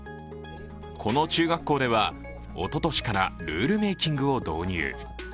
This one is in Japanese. この中学校では、おととしからルールメイキングを導入。